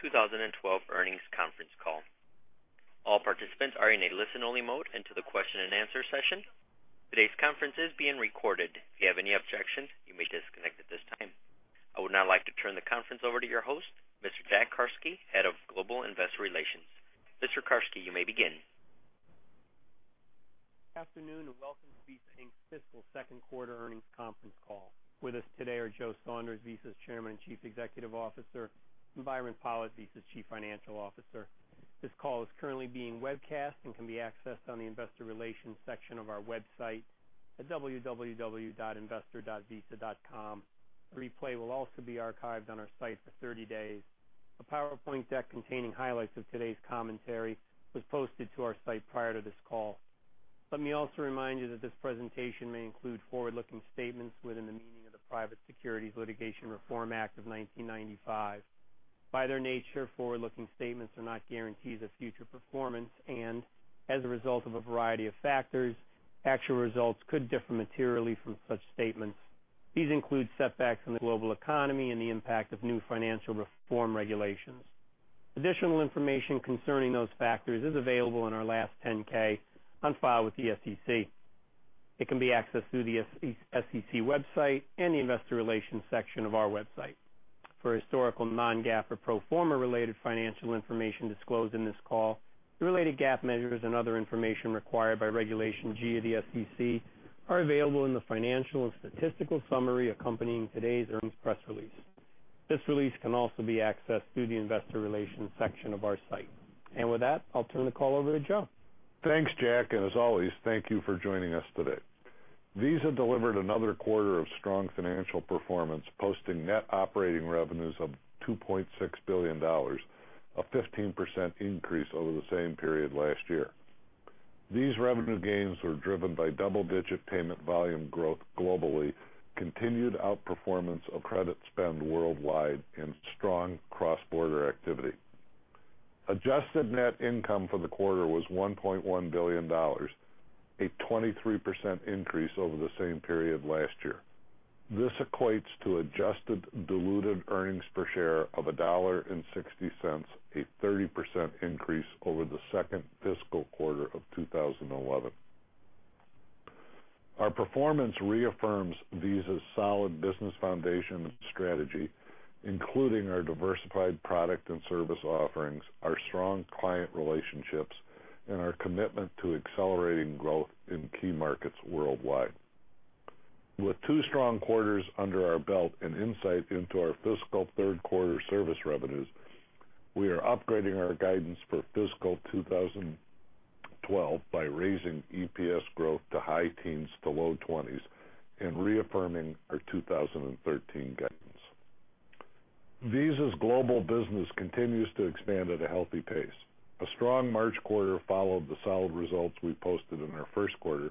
Welcome to Visa Inc.'s Fiscal Q2 2012 Earnings Conference Call. All participants are in a listen-only mode until the question and answer session. Today's conference is being recorded. If you have any objections, you may disconnect at this time. I would now like to turn the conference over to your host, Mr. Jack Carsky, Head of Global Investor Relations. Mr. Carsky, you may begin. Afternoon and welcome to Visa Inc.'s Fiscal Second Quarter Earnings Conference Call. With us today are Joe Saunders, Visa's Chairman and Chief Executive Officer, and Byron Pollitt, Visa's Chief Financial Officer. This call is currently being webcast and can be accessed on the Investor Relations section of our website at www.investor.visa.com. The replay will also be archived on our site for 30 days. A PowerPoint deck containing highlights of today's commentary was posted to our site prior to this call. Let me also remind you that this presentation may include forward-looking statements within the meaning of the Private Securities Litigation Reform Act of 1995. By their nature, forward-looking statements are not guarantees of future performance and, as a result of a variety of factors, actual results could differ materially from such statements. These include setbacks in the global economy and the impact of new financial reform regulations. Additional information concerning those factors is available in our last 10-K on file with the SEC. It can be accessed through the SEC website and the Investor Relations section of our website. For historical non-GAAP or pro forma related financial information disclosed in this call, the related GAAP measures and other information required by Regulation G of the SEC are available in the Financial and Statistical Summary accompanying today's earnings press release. This release can also be accessed through the Investor Relations section of our site. With that, I'll turn the call over to Joe. Thanks, Jack, and as always, thank you for joining us today. Visa delivered another quarter of strong financial performance, posting net operating revenues of $2.6 billion, a 15% increase over the same period last year. These revenue gains were driven by double-digit payment volume growth globally, continued outperformance of credit spend worldwide, and strong cross-border activity. Adjusted net income for the quarter was $1.1 billion, a 23% increase over the same period last year. This equates to adjusted diluted earnings per share of $1.60, a 30% increase over the second fiscal quarter of 2011. Our performance reaffirms Visa's solid business foundation strategy, including our diversified product and service offerings, our strong client relationships, and our commitment to accelerating growth in key markets worldwide. With two strong quarters under our belt and insight into our fiscal third quarter service revenues, we are upgrading our guidance for fiscal 2012 by raising EPS growth to high teens to low twenties and reaffirming our 2013 guidance. Visa's global business continues to expand at a healthy pace. A strong March quarter followed the solid results we posted in our first quarter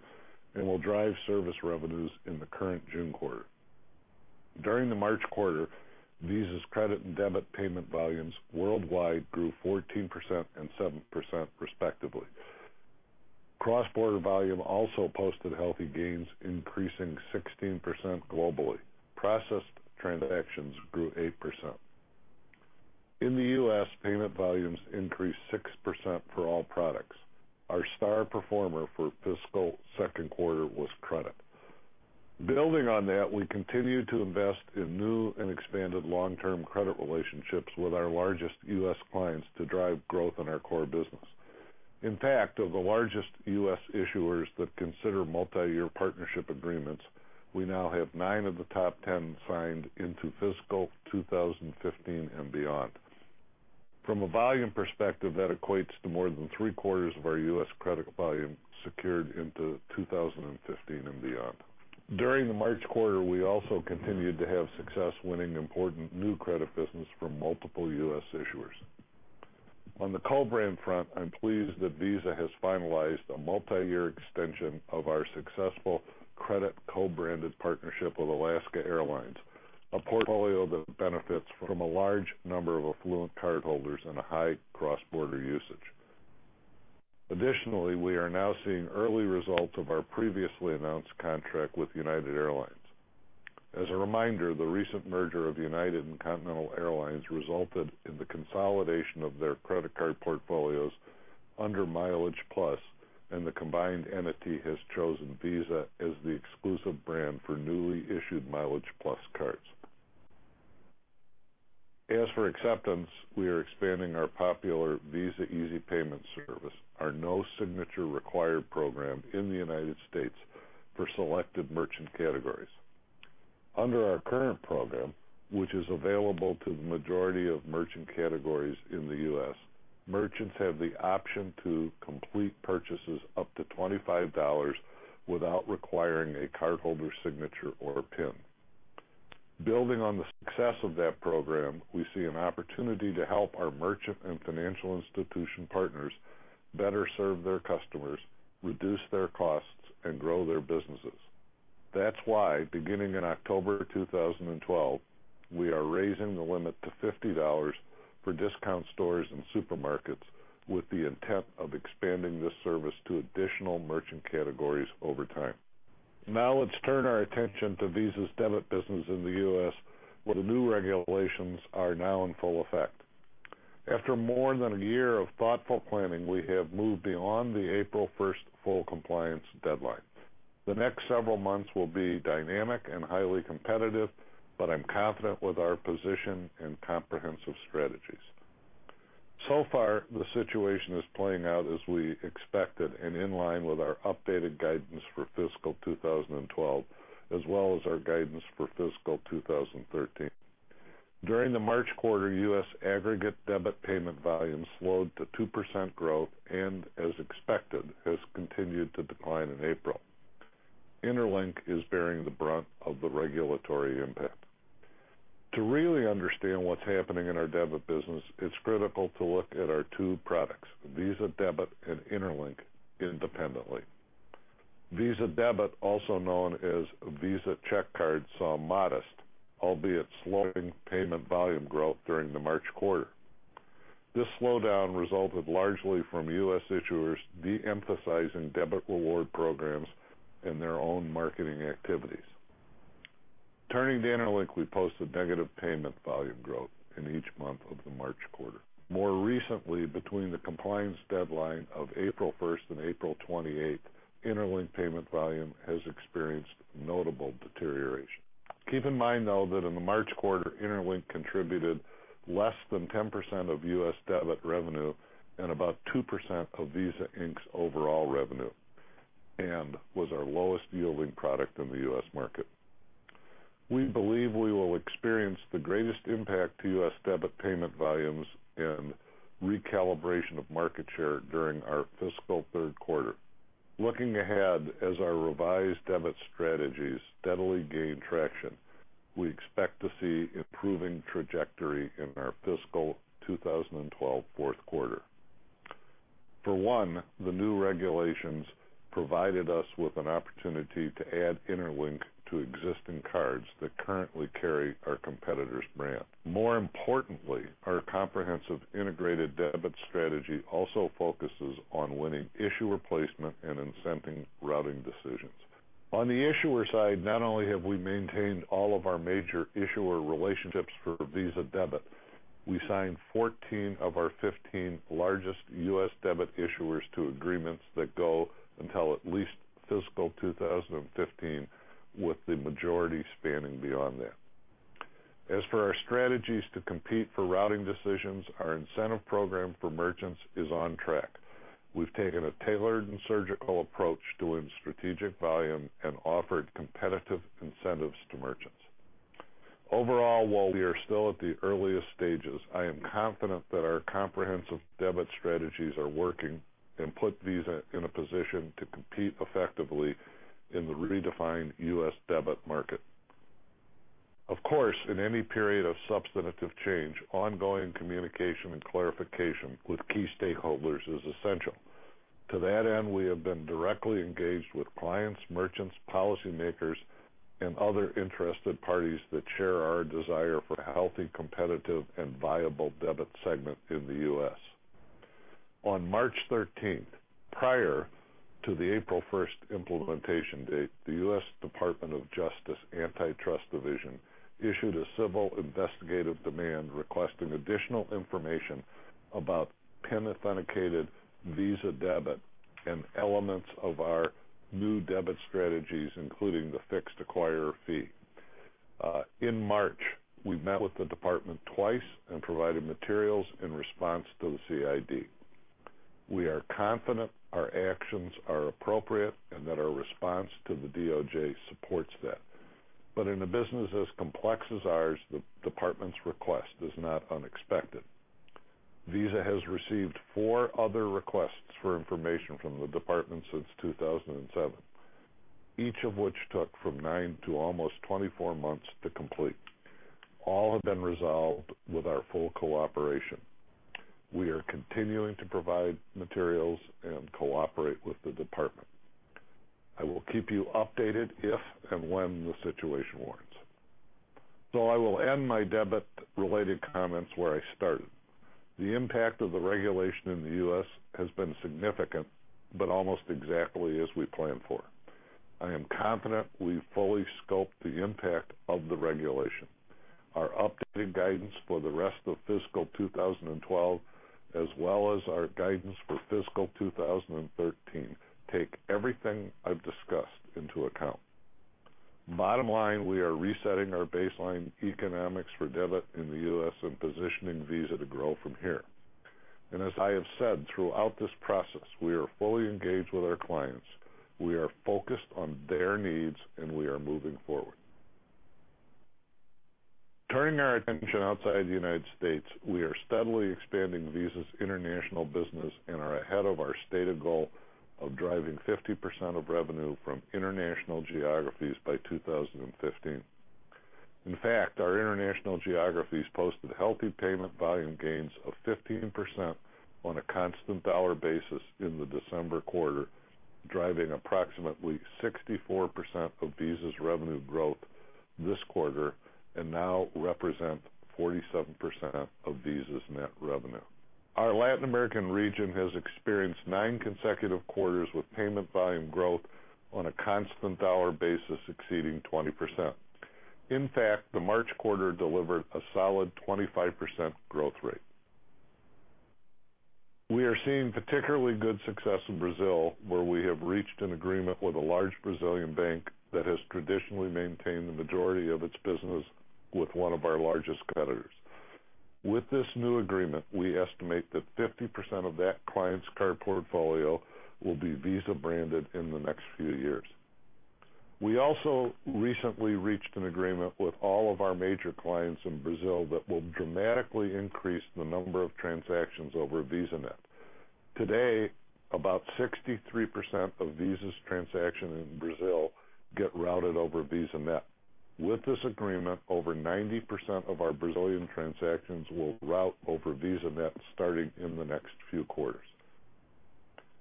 and will drive service revenues in the current June quarter. During the March quarter, Visa's credit and debit payment volumes worldwide grew 14% and 7% respectively. Cross-border volume also posted healthy gains, increasing 16% globally. Processed transactions grew 8%. In the U.S., payment volumes increased 6% for all products. Our star performer for fiscal second quarter was credit. Building on that, we continue to invest in new and expanded long-term credit relationships with our largest U.S. clients to drive growth in our core business. In fact, of the largest U.S. issuers that consider multi-year partnership agreements, we now have nine of the top ten signed into fiscal 2015 and beyond. From a volume perspective, that equates to more than three quarters of our U.S. credit volume secured into 2015 and beyond. During the March quarter, we also continued to have success winning important new credit business from multiple U.S. issuers. On the co-brand front, I'm pleased that Visa has finalized a multi-year extension of our successful credit co-branded partnership with Alaska Airlines, a portfolio that benefits from a large number of affluent cardholders and a high cross-border usage. Additionally, we are now seeing early results of our previously announced contract with United Airlines. As a reminder, the recent merger of United and Continental Airlines resulted in the consolidation of their credit card portfolios under Mileage Plus, and the combined entity has chosen Visa as the exclusive brand for newly issued Mileage Plus cards. As for acceptance, we are expanding our popular Visa Easy Payment Service, our no-signature required program in the United States for selected merchant categories. Under our current program, which is available to the majority of merchant categories in the U.S., merchants have the option to complete purchases up to $25 without requiring a cardholder's signature or PIN. Building on the success of that program, we see an opportunity to help our merchant and financial institution partners better serve their customers, reduce their costs, and grow their businesses. That's why, beginning in October 2012, we are raising the limit to $50 for discount stores and supermarkets with the intent of expanding this service to additional merchant categories over time. Now let's turn our attention to Visa's debit business in the U.S., where the new regulations are now in full effect. After more than a year of thoughtful planning, we have moved beyond the April 1 full compliance deadline. The next several months will be dynamic and highly competitive, but I'm confident with our position and comprehensive strategies. The situation is playing out as we expected and in line with our updated guidance for fiscal 2012 as well as our guidance for fiscal 2013. During the March quarter, U.S. aggregate debit payment volume slowed to 2% growth and, as expected, has continued to decline in April. Interlink is bearing the brunt of the regulatory impact. To really understand what's happening in our debit business, it's critical to look at our two products, Visa Debit and Interlink, independently. Visa Debit, also known as Visa Check Card, saw modest, albeit slowing payment volume growth during the March quarter. This slowdown resulted largely from U.S. issuers deemphasizing debit reward programs and their own marketing activities. Turning to Interlink, we posted negative payment volume growth in each month of the March quarter. More recently, between the compliance deadline of April 1 and April 28, Interlink payment volume has experienced notable deterioration. Keep in mind, though, that in the March quarter, Interlink contributed less than 10% of U.S. debit revenue and about 2% of Visa Inc.'s overall revenue and was our lowest yielding product in the U.S. market. We believe we will experience the greatest impact to U.S. debit payment volumes and recalibration of market share during our fiscal third quarter. Looking ahead, as our revised debit strategies steadily gain traction, we expect to see improving trajectory in our fiscal 2012 fourth quarter. For one, the new regulations provided us with an opportunity to add Interlink to existing cards that currently carry our competitor's brand. More importantly, our comprehensive integrated debit strategy also focuses on winning issuer placement and incenting routing decisions. On the issuer side, not only have we maintained all of our major issuer relationships for Visa Debit, we signed 14 of our 15 largest U.S. debit issuers to agreements that go until at least fiscal 2015, with the majority spanning beyond that. As for our strategies to compete for routing decisions, our incentive program for merchants is on track. We've taken a tailored and surgical approach to win strategic volume and offered competitive incentives to merchants. Overall, while we are still at the earliest stages, I am confident that our comprehensive debit strategies are working and put Visa in a position to compete effectively in the redefined U.S. debit market. Of course, in any period of substantive change, ongoing communication and clarification with key stakeholders is essential. To that end, we have been directly engaged with clients, merchants, policymakers, and other interested parties that share our desire for a healthy, competitive, and viable debit segment in the U.S. On March 13th, prior to the April 1st implementation date, the U.S. Department of Justice Antitrust Division issued a civil investigative demand requesting additional information about PIN-authenticated Visa Debit and elements of our new debit strategies, including the fixed acquirer fee. In March, we met with the department twice and provided materials in response to the CID. We are confident our actions are appropriate and that our response to the DOJ supports that. In a business as complex as ours, the department's request is not unexpected. Visa has received four other requests for information from the department since 2007, each of which took from nine to almost 24 months to complete. All have been resolved with our full cooperation. We are continuing to provide materials and cooperate with the Department of Justice Antitrust Division. I will keep you updated if and when the situation warrants. I will end my debit-related comments where I started. The impact of the regulation in the U.S. has been significant, but almost exactly as we planned for. I am confident we've fully scoped the impact of the regulation. Our updated guidance for the rest of fiscal 2012, as well as our guidance for fiscal 2013, take everything I've discussed into account. Bottom line, we are resetting our baseline economics for debit in the U.S. and positioning Visa to grow from here. As I have said throughout this process, we are fully engaged with our clients, we are focused on their needs, and we are moving forward. Turning our attention outside the United States, we are steadily expanding Visa's international business and are ahead of our stated goal of driving 50% of revenue from international geographies by 2015. In fact, our international geographies posted healthy payment volume gains of 15% on a constant dollar basis in the December quarter, driving approximately 64% of Visa's revenue growth this quarter and now represent 47% of Visa's net revenue. Our Latin America region has experienced nine consecutive quarters with payment volume growth on a constant dollar basis exceeding 20%. In fact, the March quarter delivered a solid 25% growth rate. We are seeing particularly good success in Brazil, where we have reached an agreement with a large Brazilian bank that has traditionally maintained the majority of its business with one of our largest creditors. With this new agreement, we estimate that 50% of that client's card portfolio will be Visa-branded in the next few years. We also recently reached an agreement with all of our major clients in Brazil that will dramatically increase the number of transactions over VisaNet. Today, about 63% of Visa's transactions in Brazil get routed over VisaNet. With this agreement, over 90% of our Brazilian transactions will route over VisaNet starting in the next few quarters.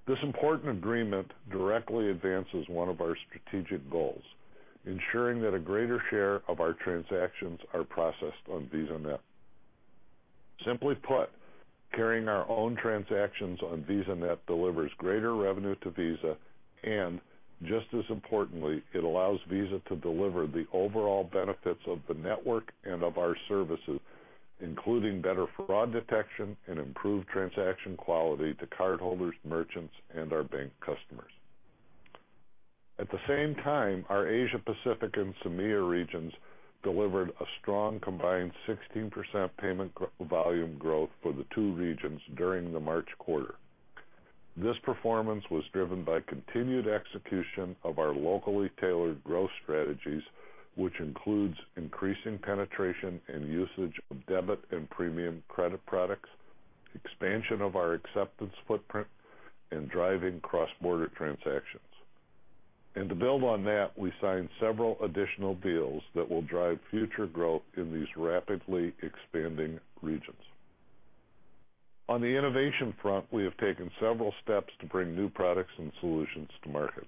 This important agreement directly advances one of our strategic goals, ensuring that a greater share of our transactions are processed on VisaNet. Simply put, carrying our own transactions on VisaNet delivers greater revenue to Visa, and just as importantly, it allows Visa to deliver the overall benefits of the network and of our services, including better fraud detection and improved transaction quality to cardholders, merchants, and our bank customers. At the same time, our Asia-Pacific and CEMEA regions delivered a strong combined 16% payment volume growth for the two regions during the March quarter. This performance was driven by continued execution of our locally tailored growth strategies, which includes increasing penetration and usage of debit and premium credit products, expansion of our acceptance footprint, and driving cross-border transactions. To build on that, we signed several additional deals that will drive future growth in these rapidly expanding regions. On the innovation front, we have taken several steps to bring new products and solutions to market.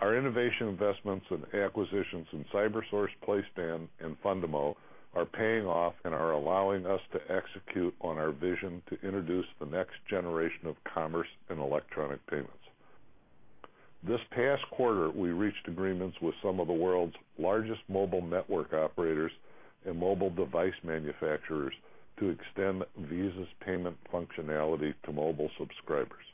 Our innovation investments and acquisitions in CyberSource, PlaySpan, and Fundamo are paying off and are allowing us to execute on our vision to introduce the next generation of commerce and electronic payments. This past quarter, we reached agreements with some of the world's largest mobile network operators and mobile device manufacturers to extend Visa's payment functionality to mobile subscribers.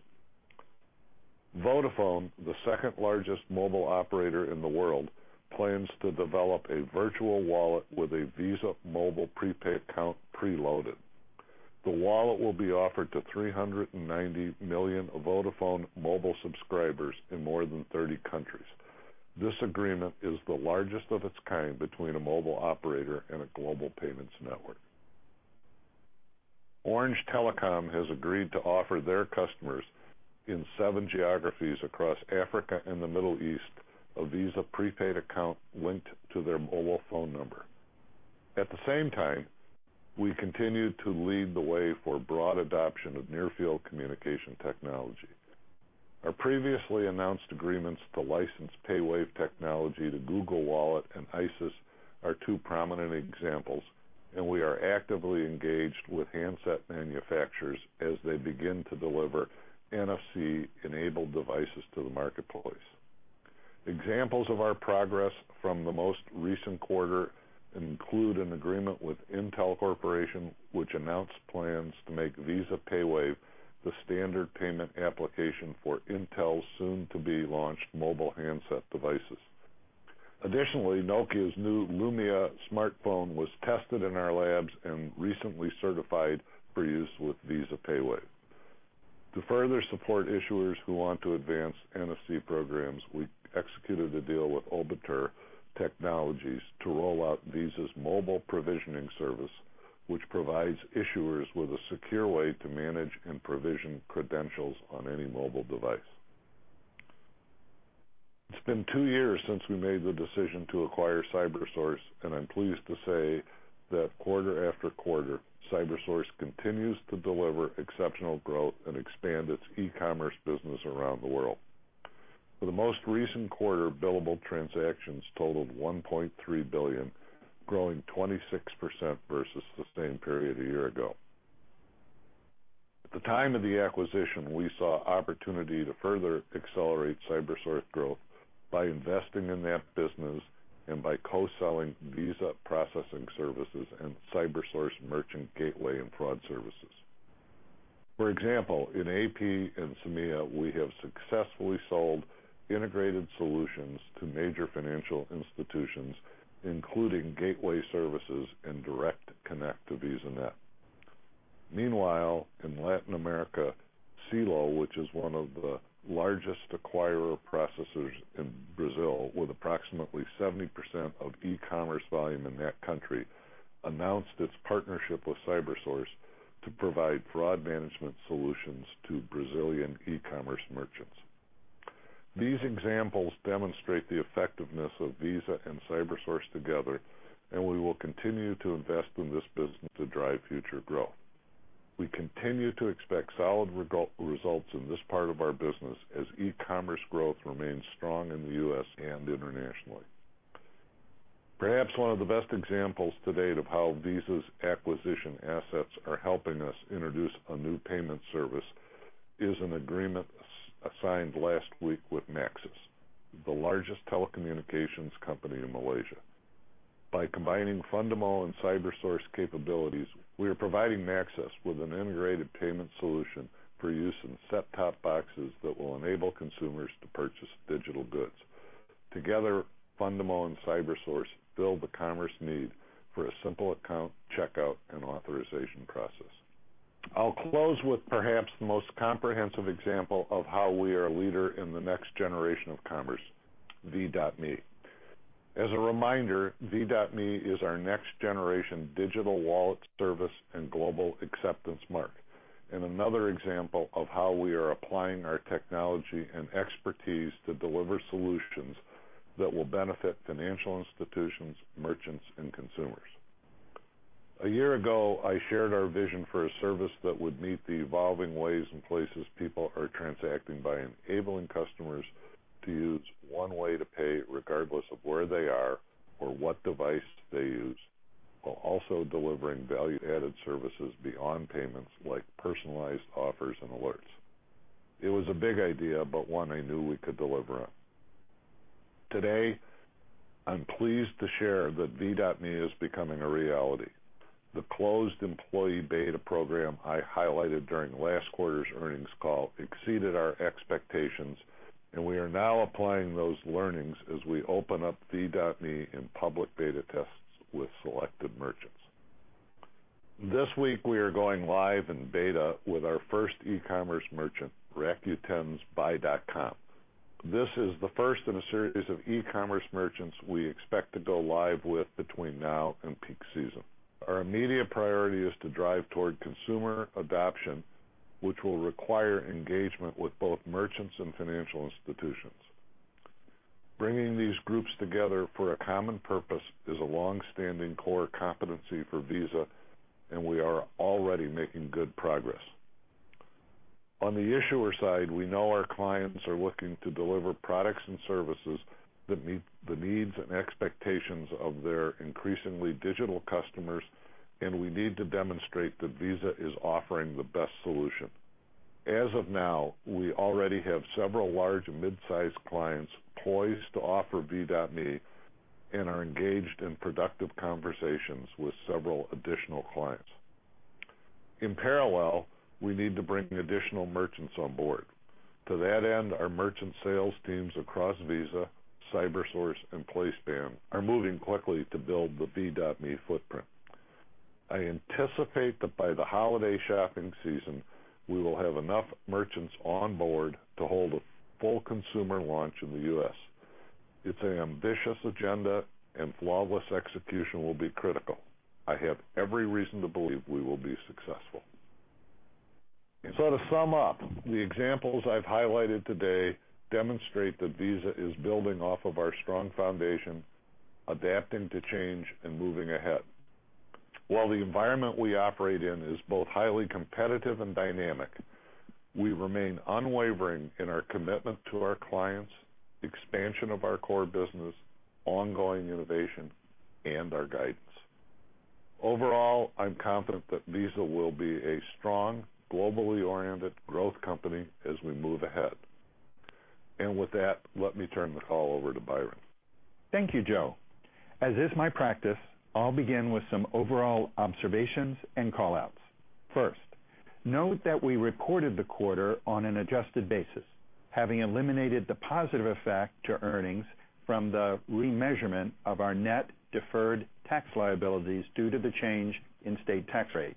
Vodafone, the second largest mobile operator in the world, plans to develop a virtual wallet with a Visa mobile prepaid account preloaded. The wallet will be offered to 390 million Vodafone mobile subscribers in more than 30 countries. This agreement is the largest of its kind between a mobile operator and a global payments network. Orange Telecom has agreed to offer their customers in seven geographies across Africa and the Middle East a Visa prepaid account linked to their mobile phone number. At the same time, we continue to lead the way for broad adoption of near field communication technology. Our previously announced agreements to license PayWave technology to Google Wallet and Isis are two prominent examples, and we are actively engaged with handset manufacturers as they begin to deliver NFC-enabled devices to the marketplace. Examples of our progress from the most recent quarter include an agreement with Intel Corporation, which announced plans to make Visa PayWave the standard payment application for Intel's soon-to-be launched mobile handset devices. Additionally, Nokia's new Lumia smartphone was tested in our labs and recently certified for use with Visa PayWave. To further support issuers who want to advance NFC programs, we executed a deal with Oberthur Technologies to roll out Visa's mobile provisioning service, which provides issuers with a secure way to manage and provision credentials on any mobile device. It's been two years since we made the decision to acquire CyberSource, and I'm pleased to say that quarter after quarter, CyberSource continues to deliver exceptional growth and expand its e-commerce business around the world. For the most recent quarter, billable transactions totaled $1.3 billion, growing 26% versus the same period a year ago. At the time of the acquisition, we saw an opportunity to further accelerate CyberSource growth by investing in that business and by co-selling Visa Processing Services and CyberSource Merchant Gateway and Fraud Services. For example, in AP and CEMEA, we have successfully sold integrated solutions to major financial institutions, including Gateway Services and Direct Connect to VisaNet. Meanwhile, in Latin America, Cielo, which is one of the largest acquirer processors in Brazil with approximately 70% of e-commerce volume in that country, announced its partnership with CyberSource to provide fraud management solutions to Brazilian e-commerce merchants. These examples demonstrate the effectiveness of Visa and CyberSource together, and we will continue to invest in this business to drive future growth. We continue to expect solid results in this part of our business as e-commerce growth remains strong in the U.S. and internationally. Perhaps one of the best examples to date of how Visa's acquisition assets are helping us introduce a new payment service is an agreement signed last week with Maxis, the largest telecommunications company in Malaysia. By combining Fundamo and CyberSource capabilities, we are providing Maxis with an integrated payment solution for use in set-top boxes that will enable consumers to purchase digital goods. Together, Fundamo and CyberSource fill the commerce need for a simple account checkout and authorization process. I'll close with perhaps the most comprehensive example of how we are a leader in the next generation of commerce: Ve.me. As a reminder, Ve.me is our next-generation digital wallet service and global acceptance mark, and another example of how we are applying our technology and expertise to deliver solutions that will benefit financial institutions, merchants, and consumers. A year ago, I shared our vision for a service that would meet the evolving ways and places people are transacting by enabling customers to use one way to pay regardless of where they are or what device they use, while also delivering value-added services beyond payments like personalized offers and alerts. It was a big idea, but one I knew we could deliver on. Today, I'm pleased to share that Ve.me is becoming a reality. The closed employee beta program I highlighted during last quarter's earnings call exceeded our expectations, and we are now applying those learnings as we open up Ve.me in public beta tests with selected merchants. This week, we are going live in beta with our first e-commerce merchant, Rakuten's Buy.com. This is the first in a series of e-commerce merchants we expect to go live with between now and peak season. Our immediate priority is to drive toward consumer adoption, which will require engagement with both merchants and financial institutions. Bringing these groups together for a common purpose is a longstanding core competency for Visa, and we are already making good progress. On the issuer side, we know our clients are looking to deliver products and services that meet the needs and expectations of their increasingly digital customers, and we need to demonstrate that Visa is offering the best solution. As of now, we already have several large and mid-sized clients poised to offer Ve.me and are engaged in productive conversations with several additional clients. In parallel, we need to bring additional merchants on board. To that end, our merchant sales teams across Visa, CyberSource, and PlaySpan are moving quickly to build the Ve.me footprint. I anticipate that by the holiday shopping season, we will have enough merchants on board to hold a full consumer launch in the U.S. It's an ambitious agenda, and flawless execution will be critical. I have every reason to believe we will be successful. To sum up, the examples I've highlighted today demonstrate that Visa is building off of our strong foundation, adapting to change, and moving ahead. While the environment we operate in is both highly competitive and dynamic, we remain unwavering in our commitment to our clients, expansion of our core business, ongoing innovation, and our guidance. Overall, I'm confident that Visa will be a strong, globally oriented growth company as we move ahead. Let me turn the call over to Byron. Thank you, Joe. As is my practice, I'll begin with some overall observations and call outs. First, note that we reported the quarter on an adjusted basis, having eliminated the positive effect to earnings from the remeasurement of our net deferred tax liabilities due to the change in state tax rate.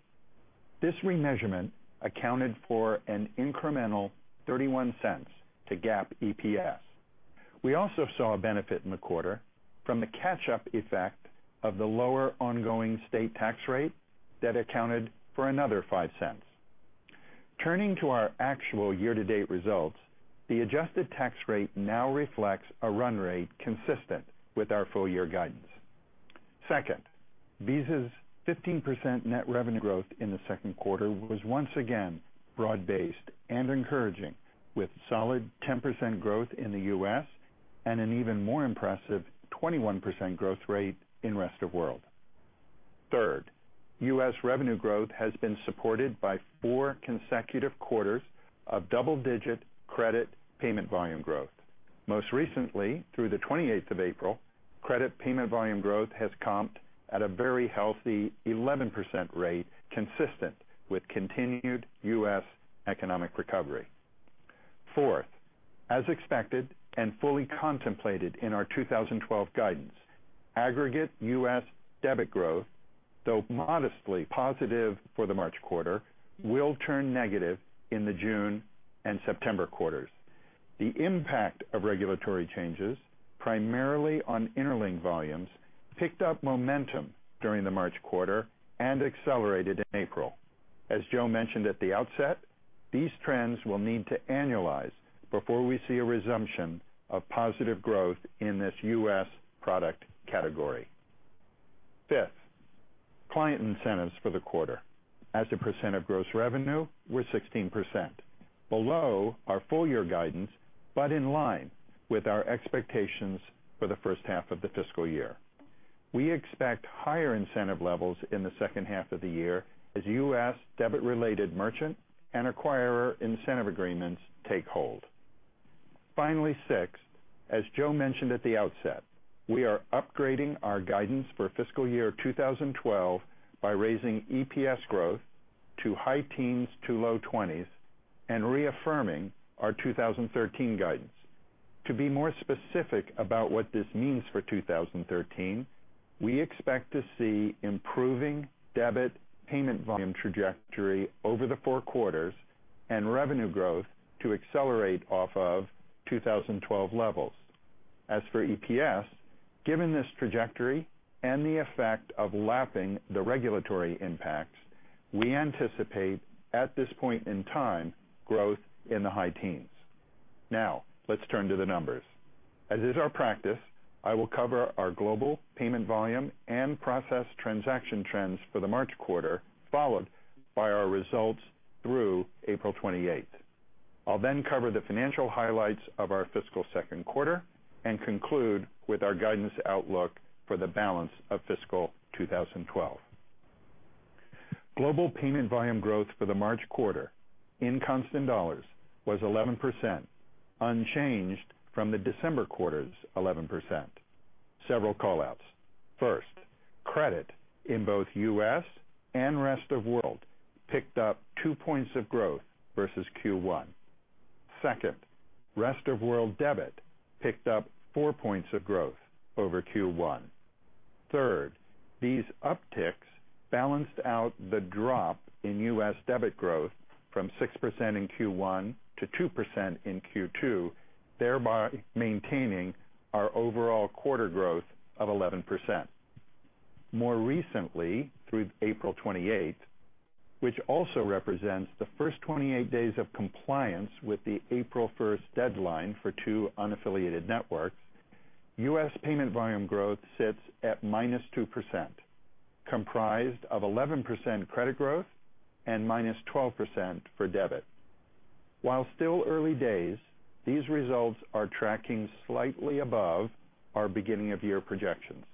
This remeasurement accounted for an incremental $0.31 to GAAP EPS. We also saw a benefit in the quarter from the catch-up effect of the lower ongoing state tax rate that accounted for another $0.05. Turning to our actual year-to-date results, the adjusted tax rate now reflects a run rate consistent with our full-year guidance. Second, Visa's 15% net revenue growth in the second quarter was once again broad-based and encouraging, with solid 10% growth in the U.S. and an even more impressive 21% growth rate in the rest of the world. Third, U.S. revenue growth has been supported by four consecutive quarters of double-digit credit payment volume growth. Most recently, through the 28th of April, credit payment volume growth has comped at a very healthy 11% rate, consistent with continued U.S. economic recovery. Fourth, as expected and fully contemplated in our 2012 guidance, aggregate U.S. debit growth, though modestly positive for the March quarter, will turn negative in the June and September quarters. The impact of regulatory changes, primarily on Interlink volumes, picked up momentum during the March quarter and accelerated in April. As Joe mentioned at the outset, these trends will need to annualize before we see a resumption of positive growth in this U.S. product category. Fifth, client incentives for the quarter. As a percent of gross revenue, we're 16% below our full-year guidance, but in line with our expectations for the first half of the fiscal year. We expect higher incentive levels in the second half of the year as U.S. debit-related merchant and acquirer incentive agreements take hold. Finally, sixth, as Joe mentioned at the outset, we are upgrading our guidance for fiscal year 2012 by raising EPS growth to high teens to low twenties and reaffirming our 2013 guidance. To be more specific about what this means for 2013, we expect to see improving debit payment volume trajectory over the four quarters and revenue growth to accelerate off of 2012 levels. As for EPS, given this trajectory and the effect of lapping the regulatory impacts, we anticipate at this point in time growth in the high teens. Now, let's turn to the numbers. As is our practice, I will cover our global payment volume and processed transaction trends for the March quarter, followed by our results through April 28th. I'll then cover the financial highlights of our fiscal second quarter and conclude with our guidance outlook for the balance of fiscal 2012. Global payment volume growth for the March quarter in constant dollars was 11%, unchanged from the December quarter's 11%. Several call outs. First, credit in both U.S. and rest of the world picked up two points of growth versus Q1. Second, rest of the world debit picked up four points of growth over Q1. Third, these upticks balanced out the drop in U.S. debit growth from 6% in Q1 to 2% in Q2, thereby maintaining our overall quarter growth of 11%. More recently, through April 28th, which also represents the first 28 days of compliance with the April 1st deadline for two unaffiliated networks, U.S. payment volume growth sits at minus 2%, comprised of 11% credit growth and minus 12% for debit. While still early days, these results are tracking slightly above our beginning-of-year projections.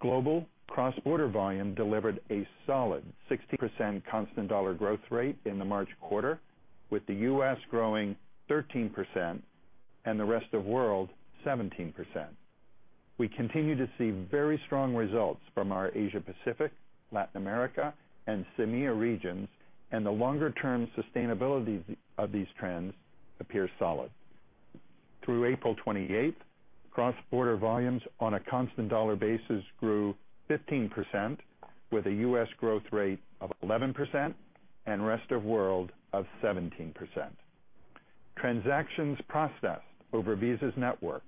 Global cross-border volume delivered a solid 16% constant dollar growth rate in the March quarter, with the U.S. growing 13% and the rest of the world 17%. We continue to see very strong results from our Asia-Pacific, Latin America, and CEMEA regions, and the longer-term sustainability of these trends appears solid. Through April 28th, cross-border volumes on a constant dollar basis grew 15%, with a U.S. growth rate of 11% and rest of the world of 17%. Transactions processed over Visa's network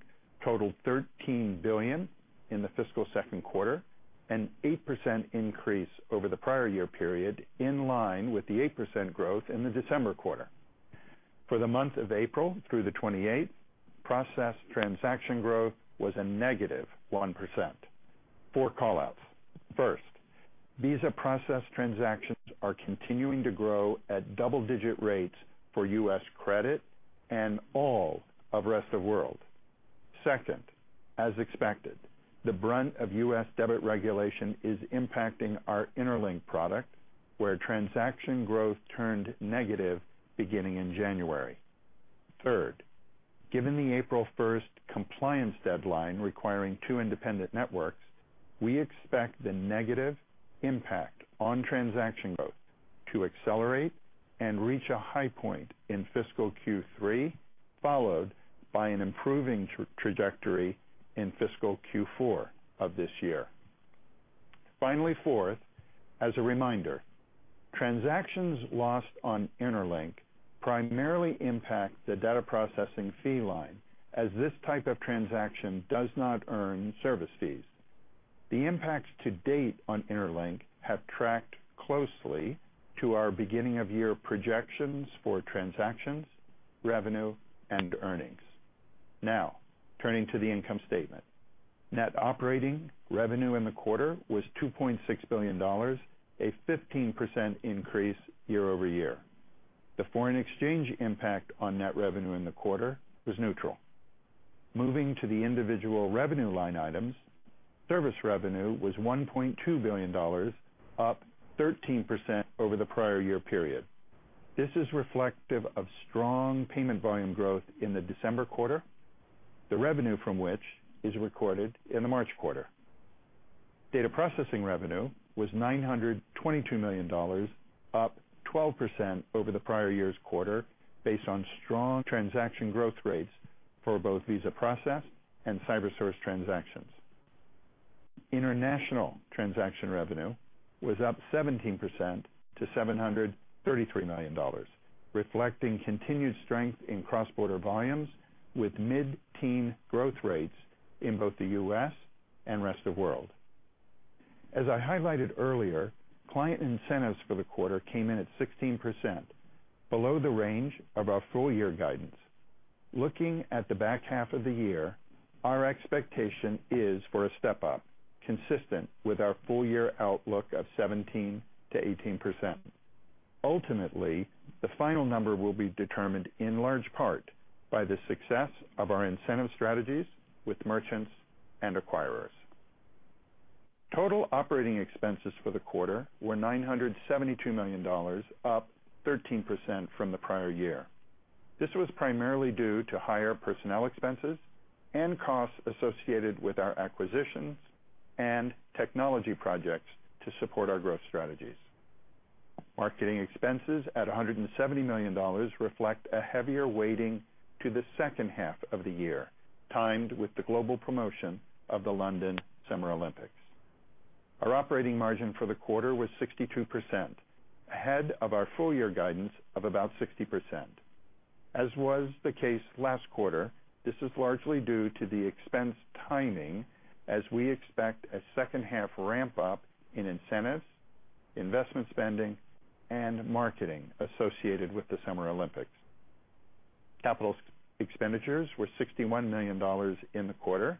totaled $13 billion in the fiscal second quarter, an 8% increase over the prior year period in line with the 8% growth in the December quarter. For the month of April through the 28th, processed transaction growth was a negative 1%. Four call outs. First, Visa processed transactions are continuing to grow at double-digit rates for U.S. credit and all of the rest of the world. Second, as expected, the brunt of U.S. debit regulation is impacting our Interlink product, where transaction growth turned negative beginning in January. Third, given the April 1st compliance deadline requiring two independent networks, we expect the negative impact on transaction growth to accelerate and reach a high point in fiscal Q3, followed by an improving trajectory in fiscal Q4 of this year. Finally, fourth, as a reminder, transactions lost on Interlink primarily impact the data processing fee line, as this type of transaction does not earn service fees. The impacts to date on Interlink have tracked closely to our beginning-of-year projections for transactions, revenue, and earnings. Now, turning to the income statement. Net operating revenue in the quarter was $2.6 billion, a 15% increase year over year. The foreign exchange impact on net revenue in the quarter was neutral. Moving to the individual revenue line items, service revenue was $1.2 billion, up 13% over the prior year period. This is reflective of strong payment volume growth in the December quarter, the revenue from which is recorded in the March quarter. Data processing revenue was $922 million, up 12% over the prior year's quarter based on strong transaction growth rates for both Visa processed and CyberSource transactions. International transaction revenue was up 17% to $733 million, reflecting continued strength in cross-border volumes with mid-teens growth rates in both the U.S. and rest of the world. As I highlighted earlier, client incentives for the quarter came in at 16%, below the range of our full-year guidance. Looking at the back half of the year, our expectation is for a step up, consistent with our full-year outlook of 17%-18%. Ultimately, the final number will be determined in large part by the success of our incentive strategies with merchants and acquirers. Total operating expenses for the quarter were $972 million, up 13% from the prior year. This was primarily due to higher personnel expenses and costs associated with our acquisitions and technology projects to support our growth strategies. Marketing expenses at $170 million reflect a heavier weighting to the second half of the year, timed with the global promotion of the London Summer Olympics. Our operating margin for the quarter was 62%, ahead of our full-year guidance of about 60%. As was the case last quarter, this is largely due to the expense timing, as we expect a second half ramp-up in incentives, investment spending, and marketing associated with the Summer Olympics. Capital expenditures were $61 million in the quarter.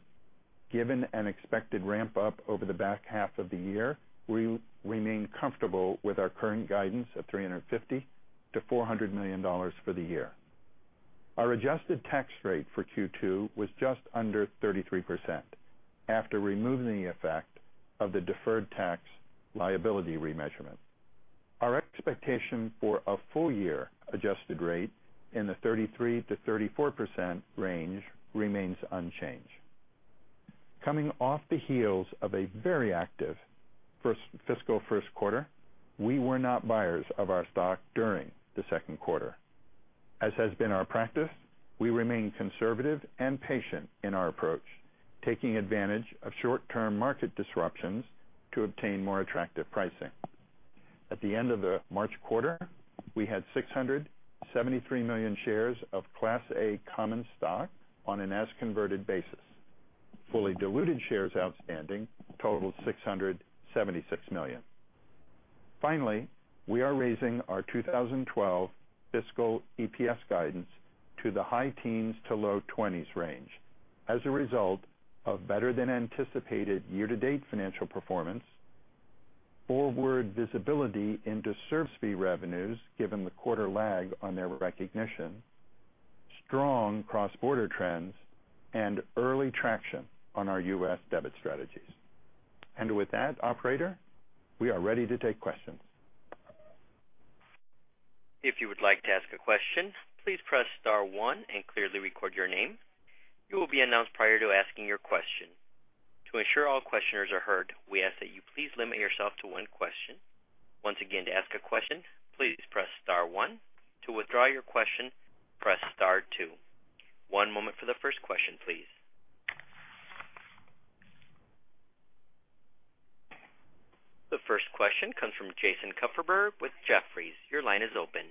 Given an expected ramp-up over the back half of the year, we remain comfortable with our current guidance of $350-$400 million for the year. Our adjusted tax rate for Q2 was just under 33% after removing the effect of the deferred tax liability remeasurement. Our expectation for a full-year adjusted rate in the 33%-34% range remains unchanged. Coming off the heels of a very active fiscal first quarter, we were not buyers of our stock during the second quarter. As has been our practice, we remain conservative and patient in our approach, taking advantage of short-term market disruptions to obtain more attractive pricing. At the end of the March quarter, we had 673 million shares of Class A common stock on an as-converted basis. Fully diluted shares outstanding totaled 676 million. Finally, we are raising our 2012 fiscal EPS guidance to the high teens to low twenties range as a result of better-than-anticipated year-to-date financial performance, forward visibility into service fee revenues given the quarter lag on their recognition, strong cross-border trends, and early traction on our U.S. debit strategies. Operator, we are ready to take questions. If you would like to ask a question, please press star one and clearly record your name. You will be announced prior to asking your question. To ensure all questioners are heard, we ask that you please limit yourself to one question. Once again, to ask a question, please press star one. To withdraw your question, press star two. One moment for the first question, please. The first question comes from Jason Kupferberg with Jefferies. Your line is open.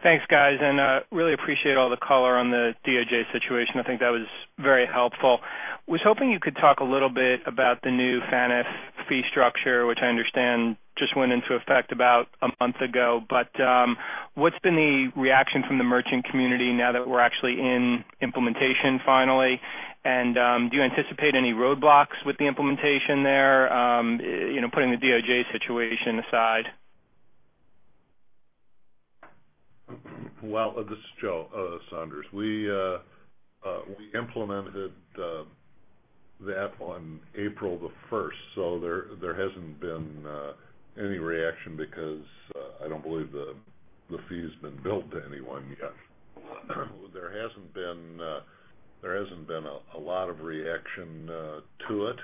Thanks, guys, and I really appreciate all the color on the Department of Justice Antitrust Division situation. I think that was very helpful. I was hoping you could talk a little bit about the new FANA fee structure, which I understand just went into effect about a month ago. What's been the reaction from the merchant community now that we're actually in implementation finally? Do you anticipate any roadblocks with the implementation there, you know, putting the Department of Justice Antitrust Division situation aside? This is Joe Saunders. We implemented that on April 1, so there hasn't been any reaction because I don't believe the fee's been billed to anyone yet. There hasn't been a lot of reaction to it.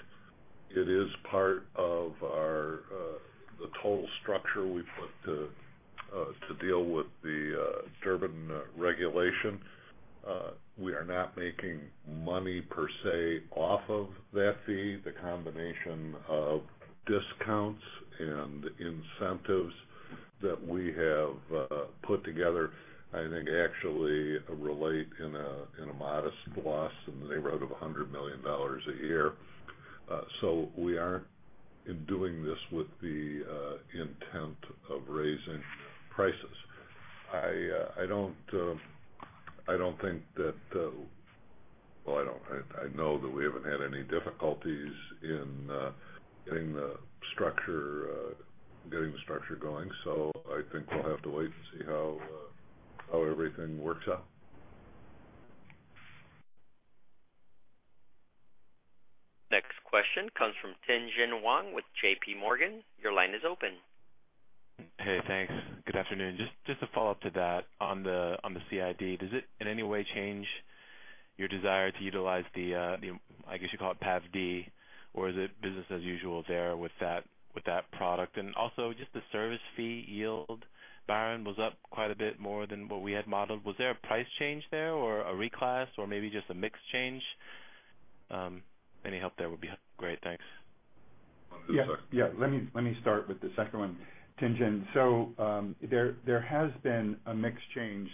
It is part of the total structure we put to deal with the Durbin regulation. We are not making money per se off of that fee. The combination of discounts and incentives that we have put together, I think, actually relate in a modest loss in the neighborhood of $100 million a year. We aren't doing this with the intent of raising prices. I don't think that, well, I know that we haven't had any difficulties in getting the structure going, so I think we'll have to wait to see how everything works out. Next question comes from Tien-Tsin Huang with J.P. Morgan. Your line is open. Hey, thanks. Good afternoon. Just a follow-up to that. On the CID, does it in any way change your desire to utilize the, I guess you call it PAVD, or is it business as usual there with that product? Also, just the service fee yield, Byron, was up quite a bit more than what we had modeled. Was there a price change there or a reclass or maybe just a mix change? Any help there would be great. Thanks. Let me start with the second one, Tianjin. There has been a mix change.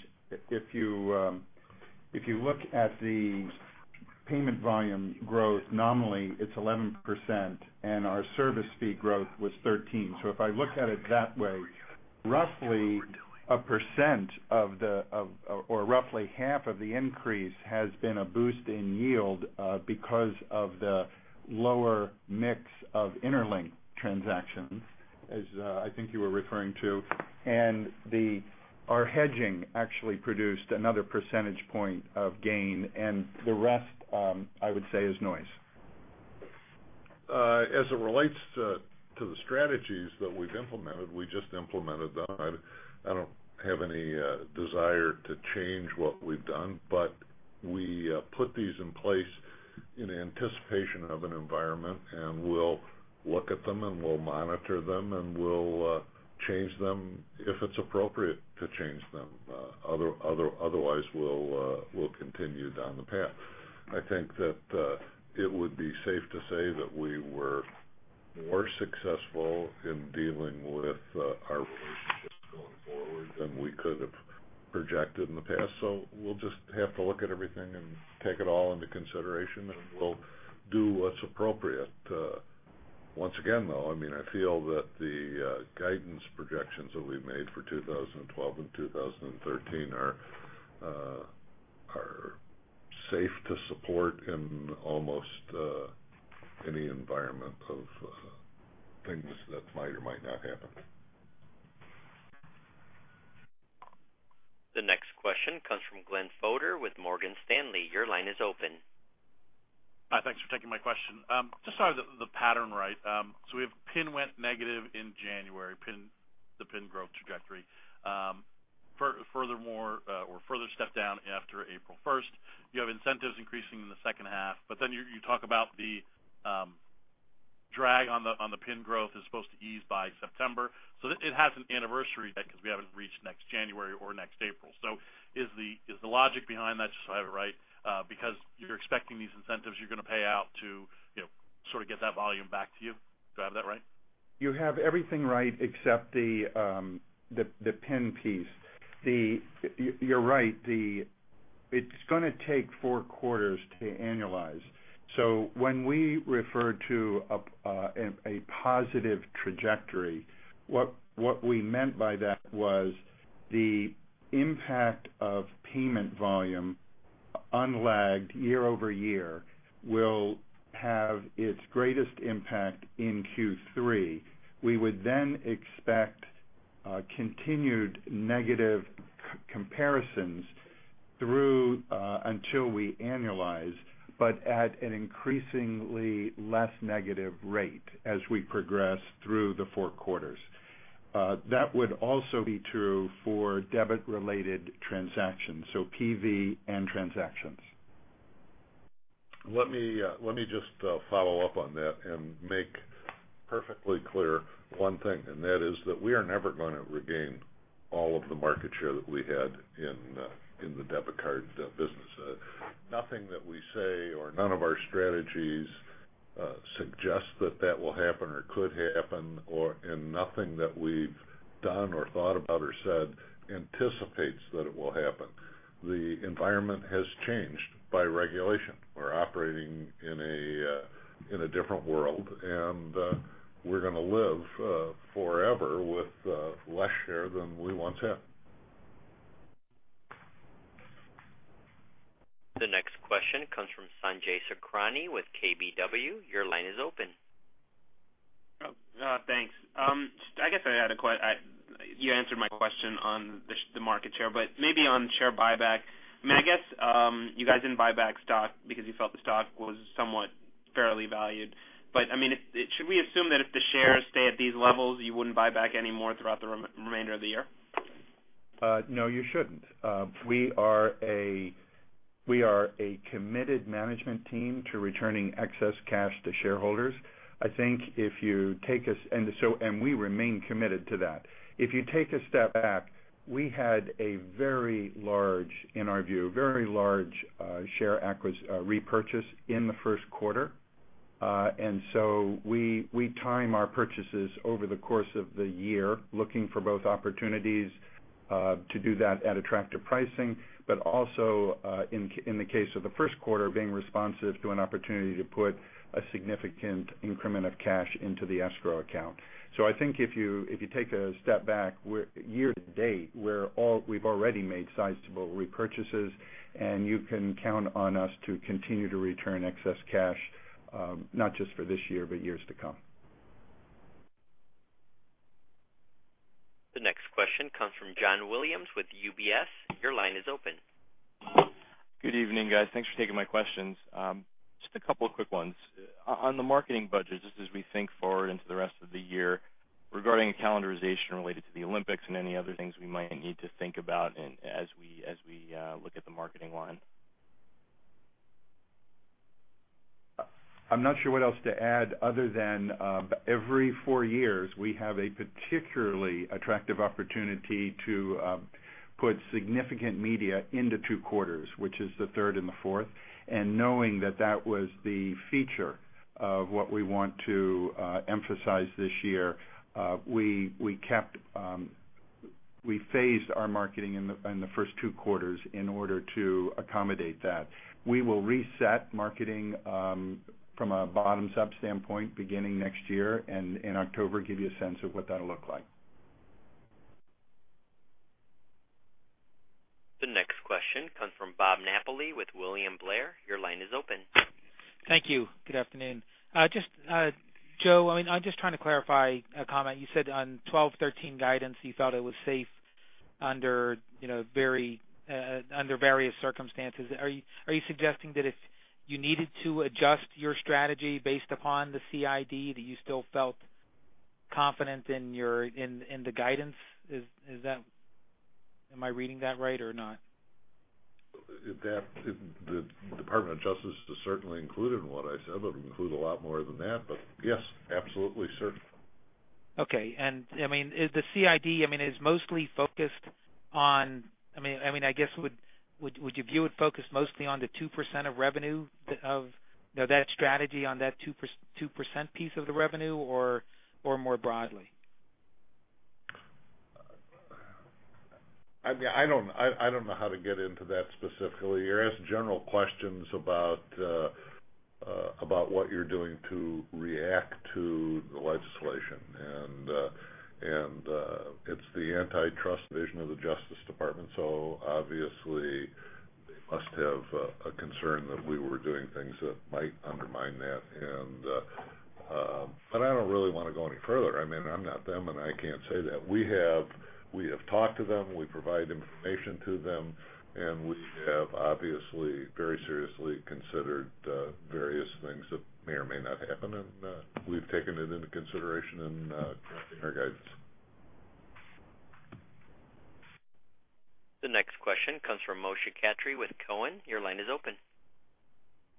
If you look at the payment volume growth nominal, it's 11%, and our service fee growth was 13%. If I look at it that way, roughly a percent of the, or roughly half of the increase has been a boost in yield because of the lower mix of Interlink transactions, as I think you were referring to. Our hedging actually produced another percentage point of gain, and the rest, I would say, is noise. As it relates to the strategies that we've implemented, we just implemented that. I don't have any desire to change what we've done, but we put these in place in anticipation of an environment, and we'll look at them, and we'll monitor them, and we'll change them if it's appropriate to change them. Otherwise, we'll continue down the path. I think that it would be safe to say that we were more successful in dealing with our relationship going forward than we could have projected in the past. We'll just have to look at everything and take it all into consideration, and we'll do what's appropriate. Once again, though, I feel that the guidance projections that we made for 2012 and 2013 are safe to support in almost any environment of things that might or might not happen. The next question comes from Glen Fodor with Morgan Stanley. Your line is open. Hi, thanks for taking my question. Just so I have the pattern right, we have PIN went negative in January, the PIN growth trajectory. Furthermore, a further step down after April 1. You have incentives increasing in the second half, but then you talk about the drag on the PIN growth is supposed to ease by September. It has an anniversary because we haven't reached next January or next April. Is the logic behind that, just so I have it right, because you're expecting these incentives you're going to pay out to sort of get that volume back to you? Do I have that right? You have everything right except the PIN piece. You're right. It's going to take four quarters to annualize. When we refer to a positive trajectory, what we meant by that was the impact of payment volume unlagged year over year will have its greatest impact in Q3. We would then expect continued negative comparisons until we annualize, but at an increasingly less negative rate as we progress through the four quarters. That would also be true for debit-related transactions, so PV and transactions. Let me just follow up on that and make perfectly clear one thing, and that is that we are never going to regain all of the market share that we had in the debit card business. Nothing that we say or none of our strategies suggests that that will happen or could happen, and nothing that we've done or thought about or said anticipates that it will happen. The environment has changed by regulation. We're operating in a different world, and we're going to live forever with less share than we once had. The next question comes from Sanjay Sakhrani with KBW. Your line is open. Thanks. I guess I had a question. You answered my question on the market share, but maybe on share buyback. I mean, I guess you guys didn't buy back stock because you felt the stock was somewhat fairly valued. I mean, should we assume that if the shares stay at these levels, you wouldn't buy back any more throughout the remainder of the year? No, you shouldn't. We are a committed management team to returning excess cash to shareholders. I think if you take us, and we remain committed to that, if you take a step back, we had a very large, in our view, very large share repurchase in the first quarter. We time our purchases over the course of the year, looking for both opportunities to do that at attractive pricing, but also in the case of the first quarter, being responsive to an opportunity to put a significant increment of cash into the escrow account. I think if you take a step back year to date, we've already made sizable repurchases, and you can count on us to continue to return excess cash, not just for this year, but years to come. The next question comes from John Williams with UBS. Your line is open. Good evening, guys. Thanks for taking my questions. Just a couple of quick ones. On the marketing budget, just as we think forward into the rest of the year, regarding a calendarization related to the Olympics and any other things we might need to think about as we look at the marketing line. I'm not sure what else to add other than every four years, we have a particularly attractive opportunity to put significant media into two quarters, which is the third and the fourth. Knowing that that was the feature of what we want to emphasize this year, we phased our marketing in the first two quarters in order to accommodate that. We will reset marketing from a bottoms-up standpoint beginning next year, and in October, give you a sense of what that'll look like. The next question comes from Bob Napoli with William Blair. Your line is open. Thank you. Good afternoon. Joe, I'm just trying to clarify a comment. You said on 2023 guidance, you felt it was safe under various circumstances. Are you suggesting that if you needed to adjust your strategy based upon the CEMEA, that you still felt confident in the guidance? Am I reading that right or not? The Department of Justice Antitrust Division is certainly included in what I said, but it includes a lot more than that. Yes, absolutely, sir. Okay. Is the CID mostly focused on, I guess, would you view it focused mostly on the 2% of revenue, of that strategy on that 2% piece of the revenue, or more broadly? I mean, I don't know how to get into that specifically. You're asked general questions about what you're doing to react to the legislation. It's the Antitrust Division of the Department of Justice, so obviously, it must have a concern that we were doing things that might undermine that. I don't really want to go any further. I'm not them, and I can't say that. We have talked to them. We provide information to them. We have obviously very seriously considered various things that may or may not happen, and we've taken it into consideration in our guidance. The next question comes from Moshe Katri with Cowen. Your line is open.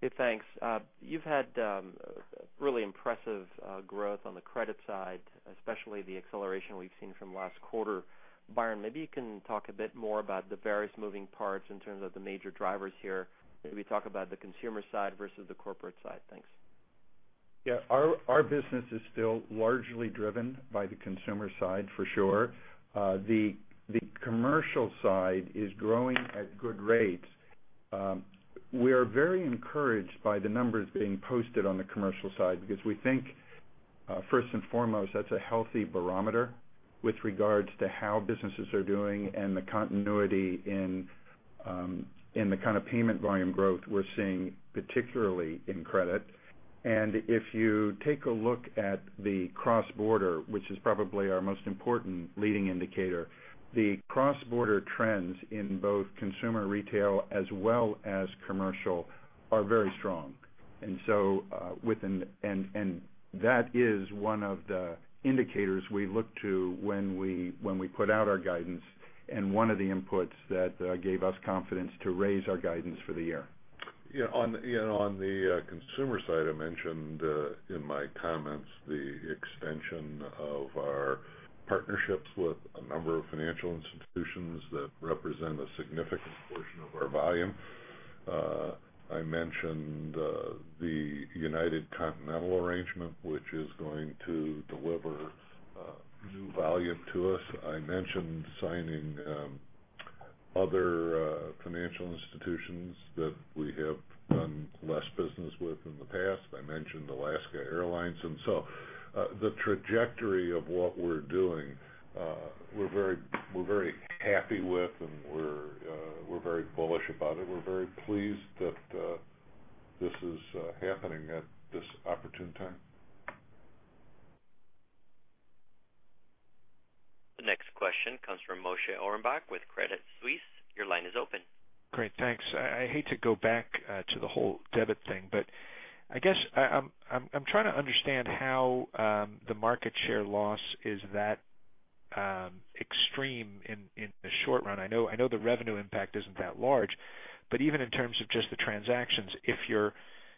Hey, thanks. You've had really impressive growth on the credit side, especially the acceleration we've seen from last quarter. Byron, maybe you can talk a bit more about the various moving parts in terms of the major drivers here. Maybe talk about the consumer side versus the corporate side. Thanks. Yeah, our business is still largely driven by the consumer side, for sure. The commercial side is growing at good rates. We are very encouraged by the numbers being posted on the commercial side because we think, first and foremost, that's a healthy barometer with regards to how businesses are doing and the continuity in the kind of payment volume growth we're seeing, particularly in credit. If you take a look at the cross-border, which is probably our most important leading indicator, the cross-border trends in both consumer retail as well as commercial are very strong. That is one of the indicators we look to when we put out our guidance and one of the inputs that gave us confidence to raise our guidance for the year. Yeah, on the consumer side, I mentioned in my comments the extension of our partnerships with a number of financial institutions that represent a significant portion of our volume. I mentioned the United Airlines Continental Airlines arrangement, which is going to deliver new volume to us. I mentioned signing other financial institutions that we have done less business with in the past. I mentioned Alaska Airlines. The trajectory of what we're doing, we're very happy with, and we're very bullish about it. We're very pleased that this is happening at this opportune time. The next question comes from Moshe Orenbuch with Credit Suisse. Your line is open. Great, thanks. I hate to go back to the whole debit thing, but I guess I'm trying to understand how the market share loss is that extreme in the short run. I know the revenue impact isn't that large, but even in terms of just the transactions, if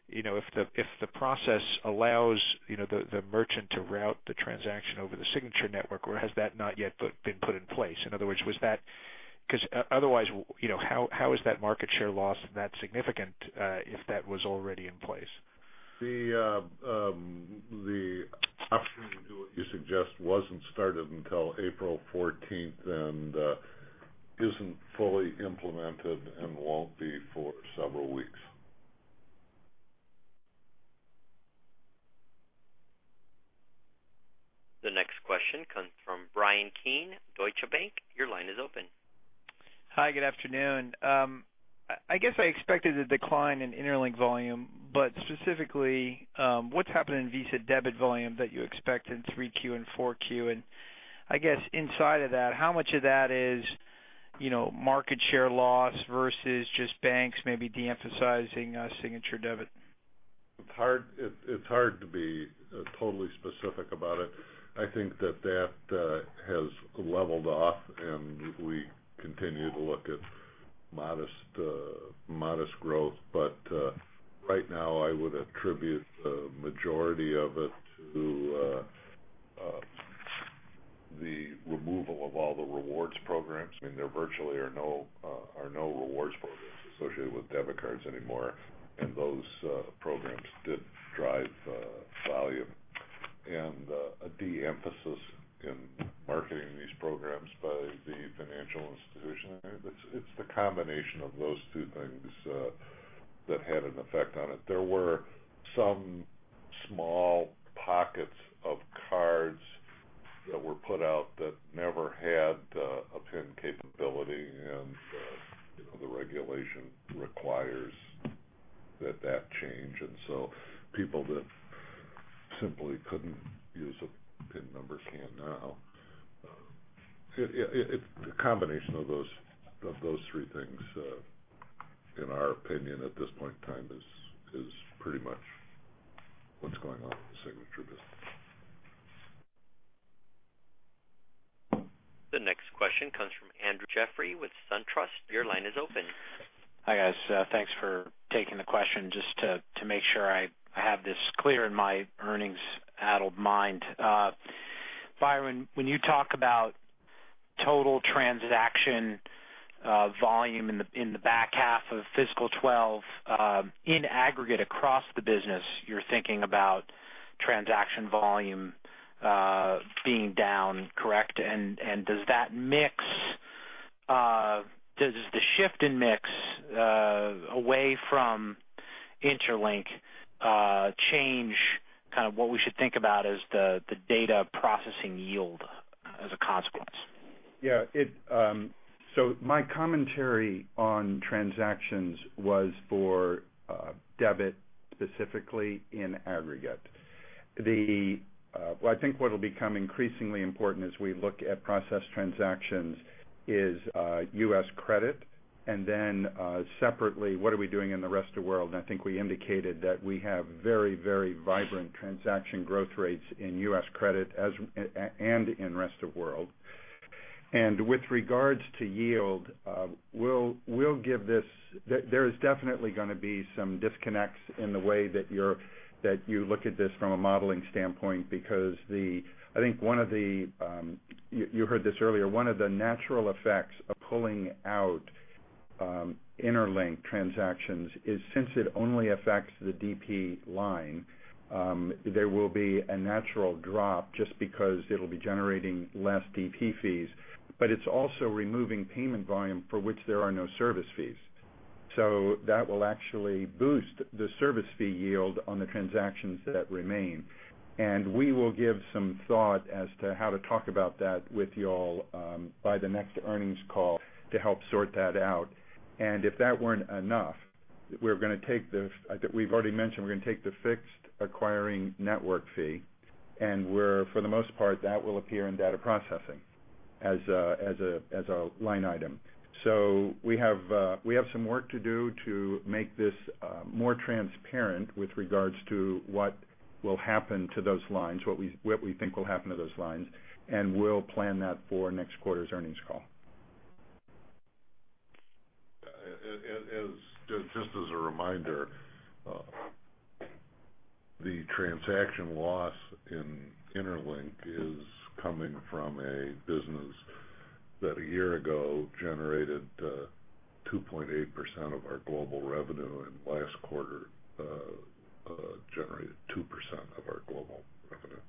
the process allows the merchant to route the transaction over the signature network, or has that not yet been put in place? In other words, was that because otherwise, you know, how is that market share loss that significant if that was already in place? The opportunity to do what you suggest wasn't started until April 14 and isn't fully implemented and won't be for several weeks. The next question comes from Bryan Keane, Deutsche Bank. Your line is open. Hi, good afternoon. I guess I expected a decline in Interlink volume, but specifically, what's happened in Visa debit volume that you expect in 3Q and 4Q? I guess inside of that, how much of that is, you know, market share loss versus just banks maybe de-emphasizing signature debit? It's hard to be totally specific about it. I think that has leveled off, and we continue to look at modest growth. Right now, I would attribute the majority of it to the removal of all the rewards programs. I mean, there virtually are no rewards programs associated with debit cards anymore, and those programs did drive volume. A de-emphasis in marketing these programs by the financial institution is also a factor. It's the combination of those two things that had an effect on it. There were some small pockets of cards that were put out that never had a PIN capability, and the regulation requires that change. People that simply couldn't use a PIN number can now. It's the combination of those three things, in our opinion, at this point in time, is pretty much what's going on with the signature business. The next question comes from Andrew Jeffrey with SunTrust. Your line is open. Hi, guys. Thanks for taking the question. Just to make sure I have this clear in my earnings-addled mind. Byron, when you talk about total transaction volume in the back half of fiscal 2012, in aggregate across the business, you're thinking about transaction volume being down, correct? Does that mix, does the shift in mix away from Interlink change kind of what we should think about as the data processing yield as a consequence? Yeah, my commentary on transactions was for debit specifically in aggregate. I think what will become increasingly important as we look at processed transactions is U.S. credit. Then separately, what are we doing in the rest of the world? I think we indicated that we have very, very vibrant transaction growth rates in U.S. credit and in the rest of the world. With regards to yield, there is definitely going to be some disconnects in the way that you look at this from a modeling standpoint because I think one of the, you heard this earlier, one of the natural effects of pulling out Interlink transactions is since it only affects the DP line, there will be a natural drop just because it will be generating less DP fees. It is also removing payment volume for which there are no service fees, so that will actually boost the service fee yield on the transactions that remain. We will give some thought as to how to talk about that with you all by the next earnings call to help sort that out. If that were not enough, we are going to take the, we have already mentioned, we are going to take the fixed acquiring network fee. For the most part, that will appear in data processing as a line item. We have some work to do to make this more transparent with regards to what will happen to those lines, what we think will happen to those lines. We will plan that for next quarter's earnings call. Just as a reminder, the transaction loss in Interlink is coming from a business that a year ago generated 2.8% of our global revenue and last quarter generated 2% of our global revenue.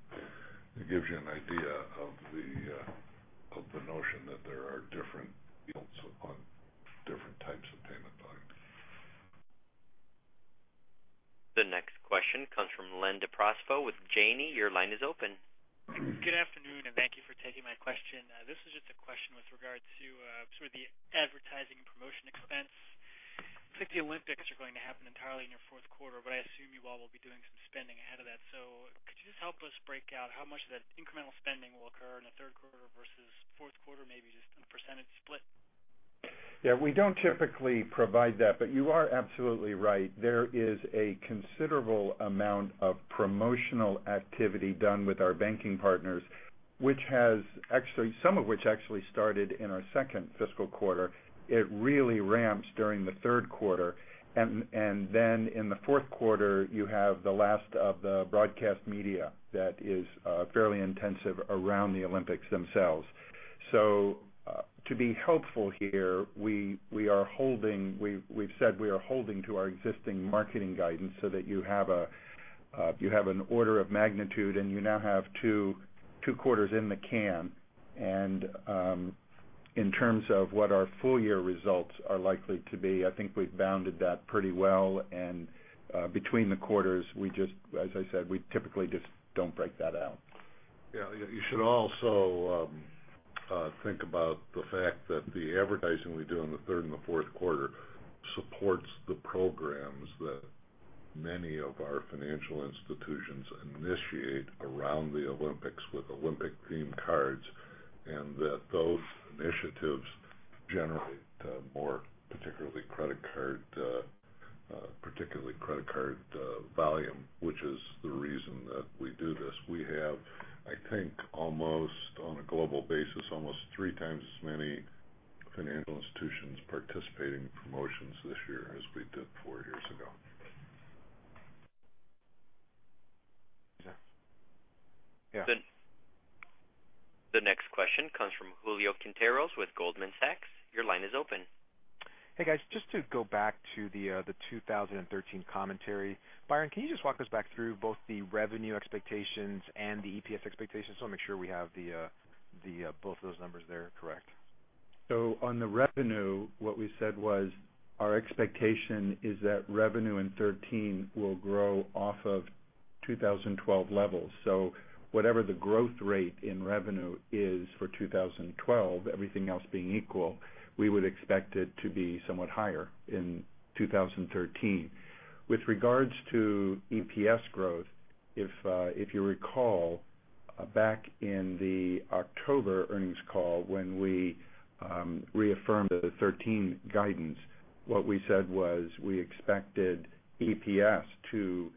It gives you an idea of the notion that there are different yields upon different types of payment volume. The next question comes from Len DeProspo with Janney. Your line is open. Good afternoon, and thank you for taking my question. This is just a question with regard to sort of the advertising and promotion expense. It looks like the Olympics are going to happen entirely in your fourth quarter, but I assume you all will be doing some spending ahead of that. Could you just help us break out how much of that incremental spending will occur in the third quarter versus fourth quarter, maybe just a % split? Yeah, we don't typically provide that, but you are absolutely right. There is a considerable amount of promotional activity done with our banking partners, which has actually, some of which actually started in our second fiscal quarter. It really ramps during the third quarter. In the fourth quarter, you have the last of the broadcast media that is fairly intensive around the Olympics themselves. To be helpful here, we are holding, we've said we are holding to our existing marketing guidance so that you have an order of magnitude, and you now have two quarters in the can. In terms of what our full-year results are likely to be, I think we've bounded that pretty well. Between the quarters, we just, as I said, we typically just don't break that out. You should also think about the fact that the advertising we do in the third and the fourth quarter supports the programs that many of our financial institutions initiate around the Olympics with Olympic-themed cards. Those initiatives generate more, particularly credit card volume, which is the reason that we do this. We have, I think, almost on a global basis, almost three times as many financial institutions participating in promotions this year as we did four years ago. Yeah. The next question comes from Julio Quinteros with Goldman Sachs. Your line is open. Hey, guys, just to go back to the 2013 commentary, Byron, can you just walk us back through both the revenue expectations and the EPS expectations? I just want to make sure we have both of those numbers there correct. On the revenue, what we said was our expectation is that revenue in 2013 will grow off of 2012 levels. Whatever the growth rate in revenue is for 2012, everything else being equal, we would expect it to be somewhat higher in 2013. With regards to EPS growth, if you recall, back in the October earnings call, when we reaffirmed the 2013 guidance, what we said was we expected EPS to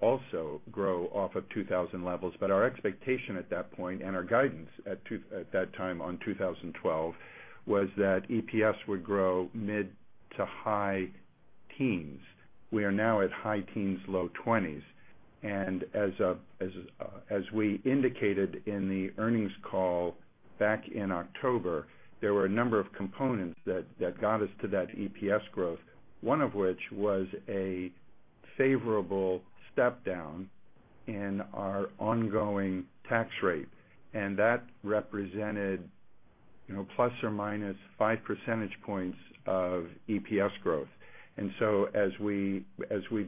also grow off of 2012 levels. Our expectation at that point and our guidance at that time on 2012 was that EPS would grow mid to high teens. We are now at high teens, low twenties. As we indicated in the earnings call back in October, there were a number of components that got us to that EPS growth, one of which was a favorable step down in our ongoing tax rate. That represented, you know, plus or minus 5% of EPS growth. As we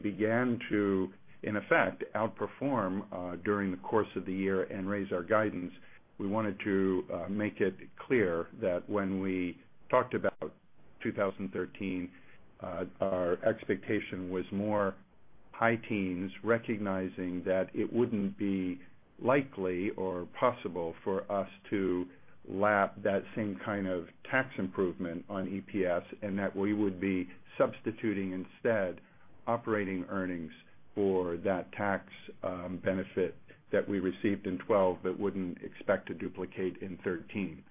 began to, in effect, outperform during the course of the year and raise our guidance, we wanted to make it clear that when we talked about 2013, our expectation was more high teens, recognizing that it would not be likely or possible for us to lap that same kind of tax improvement on EPS and that we would be substituting instead operating earnings for that tax benefit that we received in 2012 but would not expect to duplicate in 2013.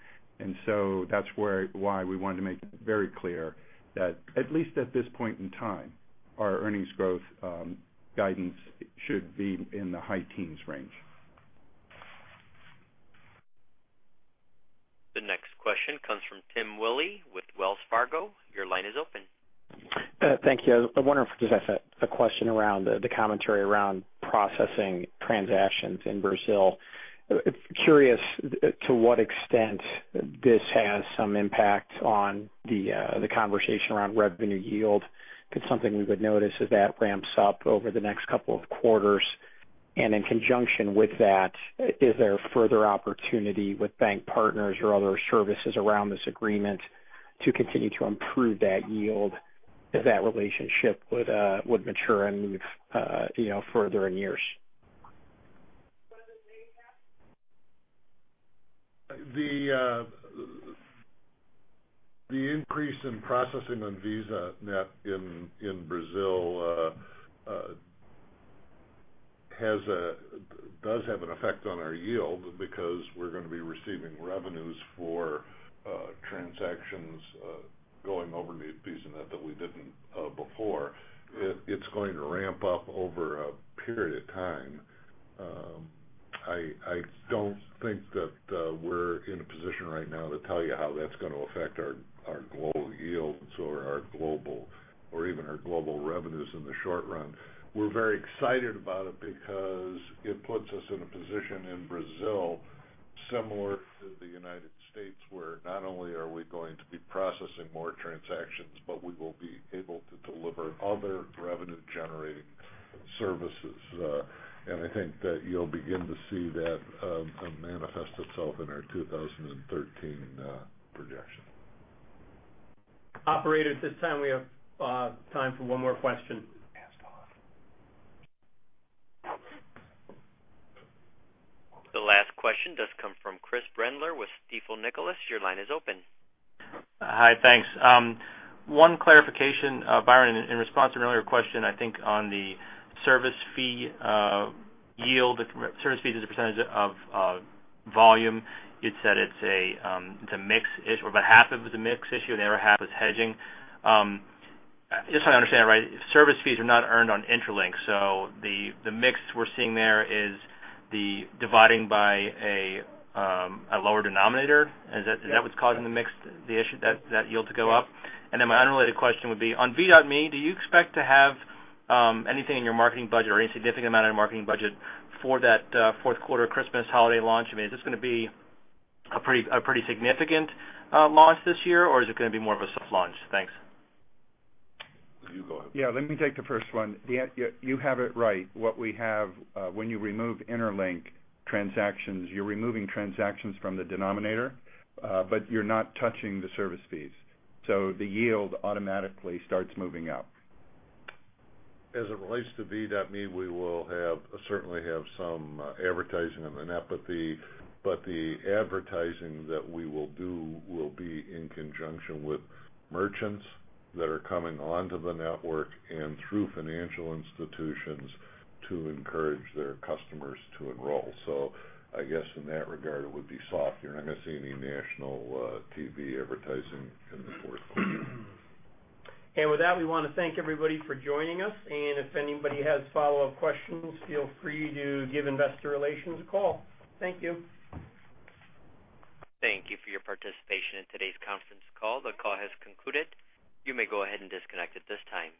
That is why we wanted to make it very clear that at least at this point in time, our earnings growth guidance should be in the high teens range. The next question comes from Tim Willi with Wells Fargo. Your line is open. Thank you. I wonder if we could just ask a question around the commentary around processing transactions in Brazil. I'm curious to what extent this has some impact on the conversation around revenue yield because something we would notice is that ramps up over the next couple of quarters. In conjunction with that, is there further opportunity with bank partners or other services around this agreement to continue to improve that yield as that relationship would mature and move further in years? The increase in processing on VisaNet in Brazil does have an effect on our yield because we're going to be receiving revenues for transactions going over VisaNet that we didn't before. It's going to ramp up over a period of time. I don't think that we're in a position right now to tell you how that's going to affect our global yields or our global or even our global revenues in the short run. We're very excited about it because it puts us in a position in Brazil similar to the United States, where not only are we going to be processing more transactions, but we will be able to deliver other revenue-generating services. I think that you'll begin to see that manifest itself in our 2013 projection. Operators, at this time we have time for one more question. The last question does come from Chris Brendler with Stifel Nicolaus. Your line is open. Hi, thanks. One clarification, Byron, in response to an earlier question, I think on the service fee yield, service fees as a percentage of volume, you'd said it's a mix issue, or about half of it is a mix issue and the other half is hedging. Just so I understand it right, service fees are not earned on Interlink. So the mix we're seeing there is the dividing by a lower denominator. Is that what's causing the mix issue, that yield to go up? My unrelated question would be, on Ve.me, do you expect to have anything in your marketing budget or any significant amount in your marketing budget for that fourth quarter Christmas holiday launch? I mean, is this going to be a pretty significant launch this year, or is it going to be more of a soft launch? Thanks. Yeah, let me take the first one. You have it right. What we have, when you remove Interlink transactions, you're removing transactions from the denominator, but you're not touching the service fees. The yield automatically starts moving up. As it relates to Ve.me, we will certainly have some advertising and the net worth, but the advertising that we will do will be in conjunction with merchants that are coming onto the network and through financial institutions to encourage their customers to enroll. I guess in that regard, it would be soft. You're not going to see any national TV advertising in the fourth quarter. We want to thank everybody for joining us. If anybody has follow-up questions, feel free to give Investor Relations a call. Thank you. Thank you for your participation in today's conference call. The call has concluded. You may go ahead and disconnect at this time.